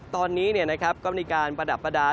ตอนนี้ก็มีการประดับประดาษ